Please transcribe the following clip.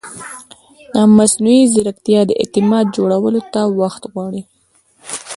مصنوعي ځیرکتیا د اعتماد جوړولو ته وخت غواړي.